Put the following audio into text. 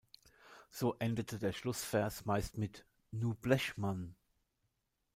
So endete der Schlussvers meist mit „"Nu blech mann.